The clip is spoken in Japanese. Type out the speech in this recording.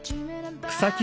草木